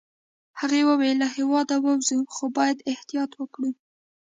هغې وویل: له هیواده ووزو، خو باید احتیاط وکړو.